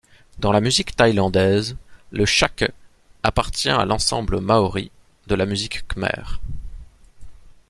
Dans la musique thaïlandaise, le chakhe appartient à l’ensemble Mahori, de la musique khmère.